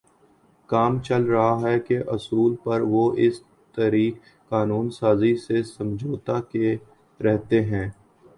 کام چل رہا ہے کے اصول پر وہ اس طریقِ قانون سازی سے سمجھوتاکیے رہتے ہیں